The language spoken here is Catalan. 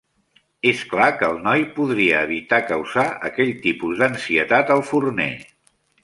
És clar que el noi podria evitar causar aquell tipus d'ansietat al forner.